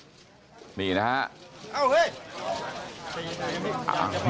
ทวมทนาเอาเห้ย